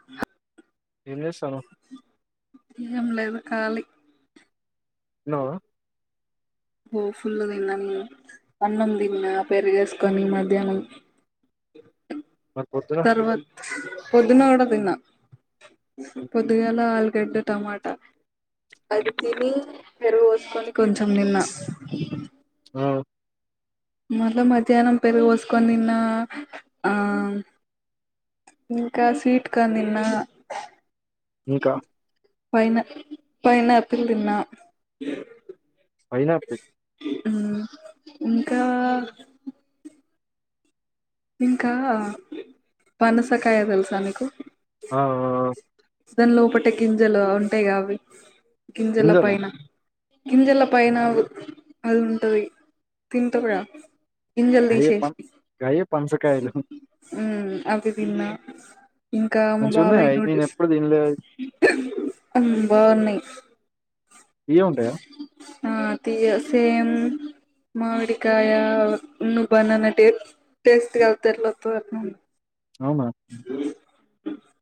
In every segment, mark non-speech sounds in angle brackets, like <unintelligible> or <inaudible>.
<inaudible> తినేసాను ఏం లేదు ఖాళీ తిన్నావా ఓ ఫుల్ తిన్నానండి అన్నం తిన్నా పెరుగేసుకొని మధ్యాహ్నం మరి పొద్దున తర్వాత పొద్దునా కూడా తిన్నా పొద్దుగాలాగా ఆల్గడ్డ టమాట అది తిని పెరుగు పోసుకొని కొంచెం తిన్నా హ్మ్ మళ్ళా మధ్యాహ్నం పెరుగు పోసుకోని తిన్నా ఆ ఇంకా స్వీట్ కార్న్ తిన్నా ఇంకా పైనా పైనాపిల్ తిన్నా పైనా హ్మ్ ఇంకా ఇంకా పనసకాయ తెలుసా నీకు ఆ ఆ దాని లోపటే గింజలు ఉంటాయి గా అవి గింజల గింజలా పైన గింజల పైన అది ఉంటది తింటారా గింజల్ గయ్యే తీసేసి పం గయ్యే పనసకాయలు అవి హ్మ్ తిన్నా ఇంకా మా బాబాయ్ నూడీల్స్ తిన్లే ఆమ్ బాగున్నాయి తియ్యగా ఉంటాయా హ్మ్ ఆ తియ్య సేమ్ మామిడికాయ హ్మ్ బనానా టే టేస్ట్ కట్ల <unintelligible> అవునా హ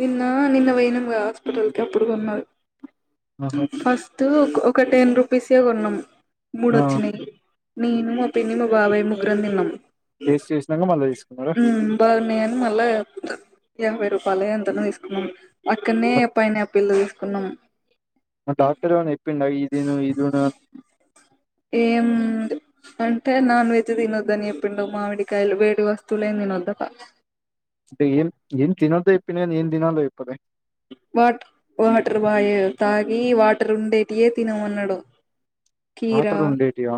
నిన్నా నిన్న పోయినం గద హాస్పటల్కి అప్పుడు గొన్నరు ఆహా ఫస్ టు కొ ఒక టెన్ రూపీసే కొన్నాం ఆ మూడోచ్చినయి నేను మా పిన్ని మా బాబయ్ ముగ్గురం దిన్నం టేస్ట్ చేసినాక మళ్ళ తీసుకున్నరా బాగున్నయని మళ్ళా యాభై రూపాయలెంతనో తీసుకున్నాం అక్కడ్నే మరి పైనాప్ పిల్లు తీసుకున్నం ఆ డాక్టర్ ఎవన్న చేప్పిండ ఇయ్ దిను ఇయ్ దిను అన్ ఏం ఉంది అంటే నాన్ వెజ్ తినొద్దని చెప్పిండు మామిడికాయలు వేడి వస్తువులేం తినొద్దటా టె ఏం ఏం తినద్దో చెప్పిండు గని ఏం దినాలో చెప్పలే వాట్ వాటర్ బాయే తాగి వాటర్ ఉండేటియే తినమన్నడు కీరా వాటర్ ఉండేటివా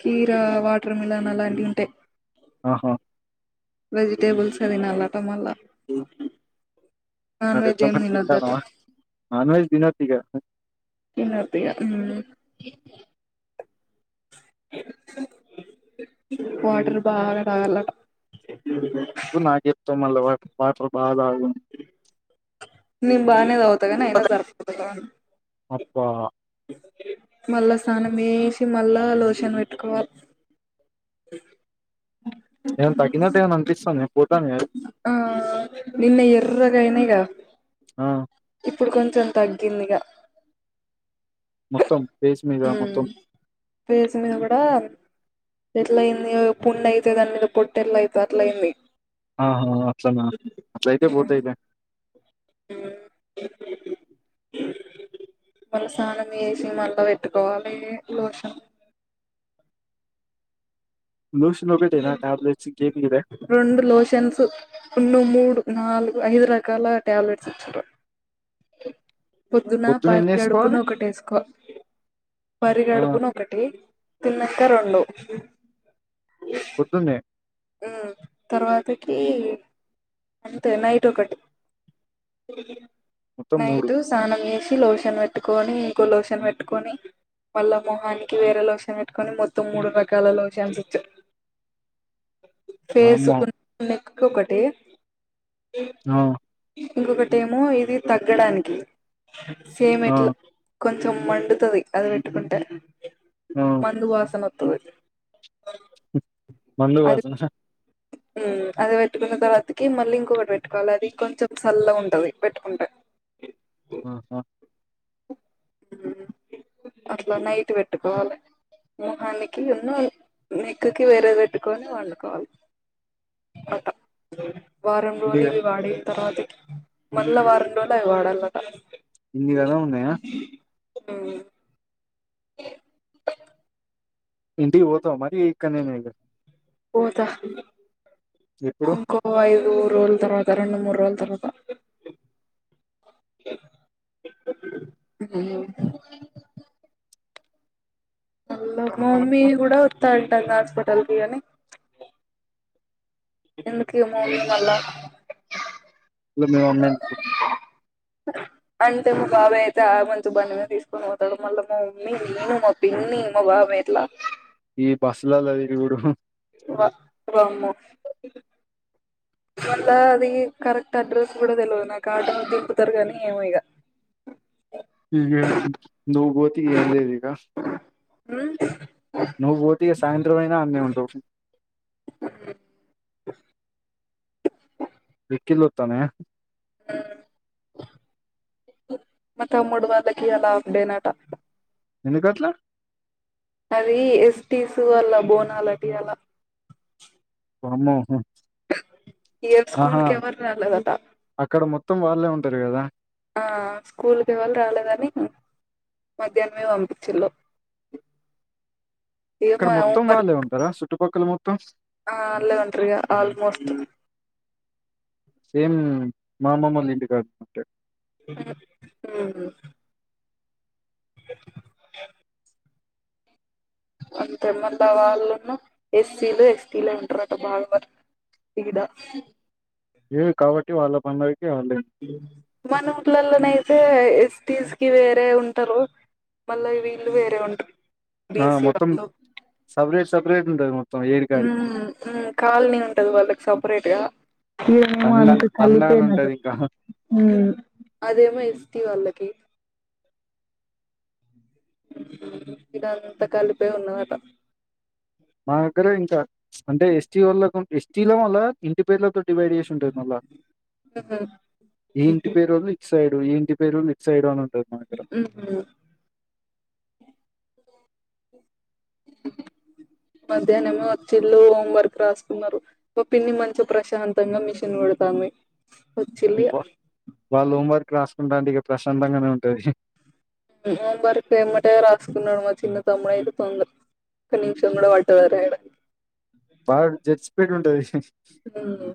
కీరా, వాటర్ మిలన్ అలాంటియి ఉంటయి ఆహా వెజిటేబుల్సే దినాల్లట మల్ల నాన్ మరి వెజ్ ఎట్లా ఏం మరి తినొద్దట తింటానవా నాన్ వెజ్ దినోద్దిగా తినొద్దిగా ఉమ్ వాటర్ బాగ తాగాల్లట నువ్ నాకు చెప్తవ్ మళ్ల వా వాటర్ బాగ దాగు అని నిన్ బానేదాగుత కని అయినా సర్పోతలేవన్ అబ్బా మళ్ళ స్నానం చేసి మళ్ళా లోషన్ పెట్టుకోవాల్ ఏమన్న తగినట్టు ఏమైన అనిపిస్తానయా పోతానయ అవి ఆ నిన్న ఎర్రగయినయ్ గా ఆ ఇప్పుడు కొంచెం తగ్గిందిగా మొత్తం ఫేస్ మీద మొత్తం ఉమ్ ఫేస్ మీద కూడాన్ ఎట్లయింది ఏదో పుండయితే దాని మీద పొట్తేట్లయితదో అట్లయిన్ ఆహా అట్లనా అట్లయితే బోతయ్లే ఊమ్ మళ్ళ స్నానం చేసి మళ్ళ పెట్టుకోవాలి లోషన్ లూషన్ ఒకటెనా ట్యాబ్లెట్స్ ఇంకేం ఇయ్యలే రొండు లోషన్స్ రెండు, మూడు, నాలుగు, ఐదు రకాల టాబ్లెట్స్ ఇచ్చిర్రు పొద్దున పరిగడుపున ఒకటేసుకో ఆ! పరిగడుపునొ కటి తిన్నంక రొండు పొద్దున్నే ఉమ్ తర్వాతకి అంతే నైట్ ఒకటి మొత్తం నైటూ సానం చేసి లోషన్ పెట్టుకొని ఇంకో లోషన్ పెట్టుకొని మళ్ళ మొహానికి వేరే లోషన్ వెట్టుకొని మొత్తం మూడు రకాల లోషన్స్ ఇచ్చార్ వామ్మో! ఫేసుకున్ నెక్కు ఒకటి నవ్వు ఇంకొకటేమో ఇది తగ్గడానికి సేమ్ ఆ! ఎట్ల్ కొంచం మండుతది అది వెట్టుకుంటే న్యోవ్ మందు వాసన వొత్తది మందు వాసనహ ఊ అది వెట్టుకున్న తర్వాతికి మళ్ళీ ఇంకొకటి వెట్టుకోవళ్ళ అది కొంచం సల్లగుంటది వెట్టుకుంటే వాహా <unintelligible> అట్ల నైటు వెట్టుకోవాలే మొహానికి ఉన్నో నెక్కుకి వేరేది వెట్టుకొని వండుకోవాలి అట్టా వారం రోలు ఇన్నిగా ఇవి వాడిన్ తర్వాతకి మళ్ళ వారం రోల్ అవి వాడల్లట ఇందిగదా ఉన్నయ ఉఊ ఇంటికి వోతావ మరీ ఇక్కన్నేన ఇగ పోత ఎప్పుడు? ఇంకో ఓ ఐదు రోల్ తర్వాత రెండు మూడు రోల్ తర్వాత ఊ అల్లా మా మమ్మీ గూడ వొత్తా అంటాంది హాస్పిటల్ కి అని ఎందుకేమొ వుంది మళ్ళా డ్లు మీ మమ్మీన్ అంటె మా బాబాయ్ అయితే ఆ మంచు బండి మీద తీస్కొని వోతాడు మళ్ళా మా మమ్మీ నేను మొ పిన్ని మా బాబార్ ఎట్లా ఈ బస్లలల్లో దిరుగుడు వ వామ్మో వళ్ళా అది కరెక్ట్ అడ్రస్ గుడ తెల్వదు నాకి ఆటోలొ దింపుతరు గానీ ఏమో ఇగ ఆ <unintelligible> నువ్వ్ బోతే ఏం లేదిగా ఉ నువ్వ్ వోతె ఇగ సాయంత్రమైనా అన్నే వుంటావ్ ఉ ఎక్కిల్లొత్తన్నయ ఊ మా తమ్ముడు వాల్లకి అలా ఉండేనట ఎందుకట్లా అదీ ఎస్టీసు వల్లా బోనాలకి అలా వామ్మో హు ఇయ్యల్ప్ స్కూల్ కి ఎవ్వర్ రాలేదట అక్కడ మొత్తం వాళ్ళే ఉంటారు గదా ఆ స్కూల్కి ఎవళ్ రాలేదని మద్యాన్మే వంపిచ్చిళ్ళు ఇక్కడ మొత్తం వాళ్ళే ఉంటరా సుట్టుపక్కల మొత్తం ఆ అలే ఉంట్రి ఇగ ఆల్మోస్ట్ సేమ్ మా అమ్మమ్మొలా ఇంటి కాడా పుట్టాడు అ ఉహు వె ల్క న్ అంతెమంది వాళ్ళున్న ఎస్సీలు ఎస్టీ లే ఉంటారట బాగా మంది ఇక్కిదా ఏ కాబట్టి వాళ్ళ పనులైతే వాళ్ళే మనం ఊర్లలైతే ఎస్టీస్కి వేరే ఉంటారు మళ్ళ వీళ్ళు వేరే ఉంట ఆ మొత్తం సెపరేట్ సెపరేట్ ఉంటాది మొత్ హమ్ హమ్ కాలనీ ఉంటాది వాళ్ళకి సపరేట్ గా ఇము తండ అంత తండ అని ఉంటది <unintelligible> ఇంకా హమ్ అదేమో ఏస్టీ వాళ్ళకి ఇది అంత కలిపే ఉన్నాదాట మా దగ్గరే ఇంకా అంటే ఎస్టీ ఓళ్ళ ఎస్టీలో మళ్ళ ఇంటి పేర్లతో డివైడ్ చేసి ఉంటాది మళ్ళా ఉహు ఈ ఇంటి పేరోళ్ళు ఇటు సైడు ఈ ఇంటి పేరోళ్ళు ఇటు సైడు అని ఉంటాది ఉహు మధ్యాహ్నమే వచ్చిల్లు హోం వర్క్ రాసుకున్నారు ఒ పిన్ని మంచి ప్రశాంతంగా మిషన్ కుడుతంది అబ్బా వాళ్ళు హోంవర్క్ రాసుకుంటాంటే ఇక ప్రశాంతంగానే ఉంటాది హోం వర్క్ ఏమ్మటే రాసుకున్నాడు మా చిన్న తమ్ముడైతే తొందర్ ఒక్క నిమిషం కూడా వాటలేరాయాడం బాగా జెడ్ స్పీడ్ ఉంటాది ఉమ్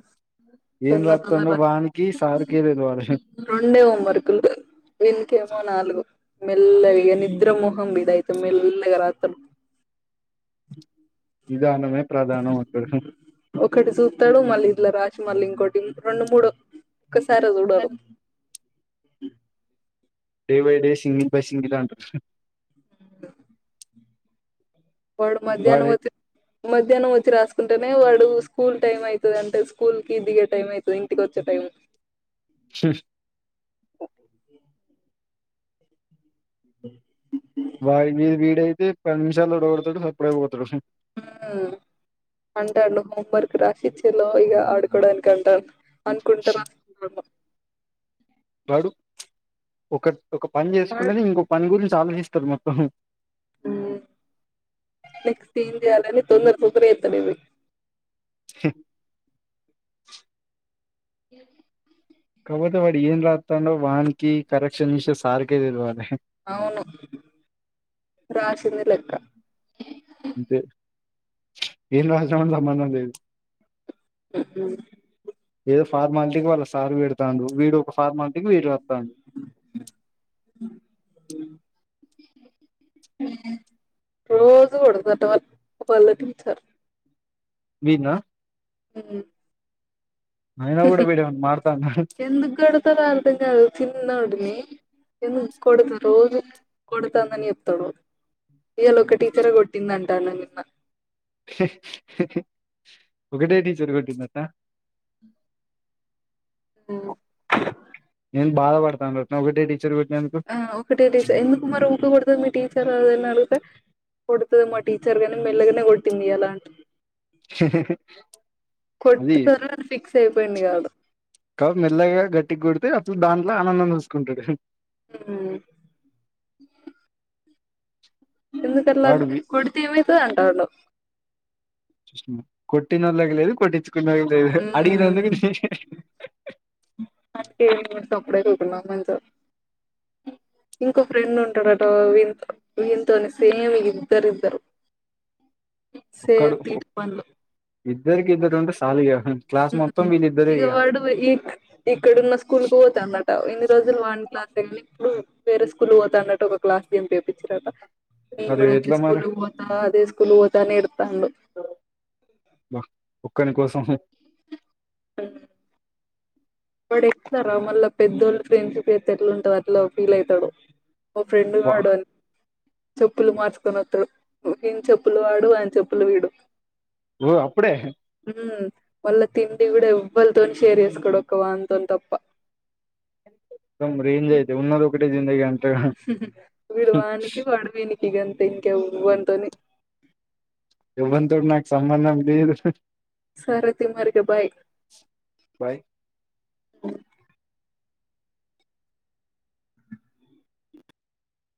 ఏం తొందర రాతండో వానికి సార్కే తెలవాలే రొండే హోమ్వర్క్లు వినికేమో నాలుగు మెల్వగ నిద్రామొహం ఇదైతే మమెల్గా రాతాడు నిధానమే ప్రధానమం ఒకరు ఒకటి చూతాడు మళ్ళీ ఇదిలా రాసి మళ్ళీ ఇంకోటి రెండు మూడు ఒకసారే చూడడు day by day singing by సింగి దాంట్లో వాడు మధ్యాహ్నం వాడై వాతే మధ్యాహ్నం వచ్చి రాసుకుంటేనే వాడు స్కూల్ టైం అయితాది అంటే స్కూల్ కి దిగే టైం అయితాది ఇంటికి వచ్చే టైం షేష్ ఉ వాడి వీడి మీ వీడయితే పది నిమిషాలు త కొడతాడు సప్పుడైపోతాడు హ అంటాండు హోమ్ వర్క్ రాశిచిలో ఇగ ఆడుకోడానికి అంటాండు అనుకుంటార <unintelligible> వాడు ఒక ఒక పని చేసుకునేది ఇంకోొ పని గురించి ఆలోచిస్తారు మొత్తం ఉ నెక్స్ట్ ఏం చేయాలని తొందర తొందర <unintelligible> హ కాబోతే వాడి ఏన్ రాతాండో వాన్ కి కరెక్షన్ చేసే సార్ కె తెల్వలే అవును రాసింది లెక్క అంతే ఏం రాసామని సంబంధం లేదు ఆ ఏదో ఫార్మాలిటీకి వాళ్ళ సార్ పెడుతాండు వీడు ఒక ఫార్మాలటీకి వీడు రాస్తాండు ఉం రోజు కొడతాదట వాల్ వాళ్ళ టీచర్ వీడ్నా ఉ అయినా కూడా వీడేమన్నా మారతాండా ఎందుకు కొడతారో అర్థం కాదు చిన్నోడిని ఎందుకు కొడతారో రోజు కొడుతోందని చెప్తాడు ఇవాళ ఒక టీచరే కొట్టింది అట నిన్న హే హే ఒకటే టీచర్ కొట్టిందటన ఆ బాధపడతాండటన ఒకటే టీచర్ కొట్టినందుకు ఆ ఒకటే టీచర్ ఎందుకు మరి ఊకే కొడతాది మీ టీచర్ అదని అడిగితే కొడుతది మా టీచర్ గారి మెలగనే కొట్టింది ఈయాల అంటూ కొట్టుతారా అది ఫిక్స్ అయిపోయిండు ఆడు కాదు మెల్లగా గట్టిగా కొడితే అసలు దాంట్లో ఆనందం చూసుకుంటాడు ఉ ఎందుకట్లా వాడు వి- కొడితే ఏమైతది అంటాండు కొట్టినోళ్లకు లేదు కొట్టించుకున్న హమ్ అందుకే నేను కూడా సప్పుడేక ఉకున్న ఇంకో ఫ్రెండ్ ఉంటాడట వీ వీతోనే సేమ్ ఇద్దరు ఇద్దరు ఒక్కడు సేమ్ పీటీ పనులు ఇద్దరికి ఇద్దరు ఉంటే సాలు ఇగ క్లాస్ మొత్తం వీళ్ళిద్దరే ఇక ఇగ వాడు ఇక్కడున్న స్కూల్కి పోతండట ఇన్ని రోజులు వాన్ క్లాస్నీ ఇప్పుడు వేరే స్కూల్ పోతాండట ఒక క్లాస్ జంప్ చేపించారట నేను మరి కూడా అదే ఎట్లా మరి స్కూల్ ఓతా అదే స్కూల్ ఓతా అని ఏడుతండు అబ ఒక్కని కోసం హమ్ వాడు ఎట్ల రా మళ్ళ పెద్దోళ్ళు ఫ్రెండ్షిప్ చేతే ఎట్లుంటదో అట్లా ఫీల్ అయితడు మా ఫ్రెండ్ వా- గాడని చెప్పులు మార్చుకొని వస్తాడు ఈయన చెప్పులు వాడు ఆయన చెప్పులు వీడు ఓ అప్పుడే ఉ మళ్ళ తిండి కూడా ఎవ్వలతోని షేర్ చేసుకోడు ఒక వానితో తప్ప మొత్తం రేంజ్ అయితే ఉన్నది ఒకటే జిందగీ అంటాడు హు వీడువానికి వాడు వీనికి ఇగంతే ఇంక ఎవ్వనితోని ఎవ్వనితోని నాకు సంబంధం లేదు హు సరే తి మరి ఇగ బాయ్ బాయ్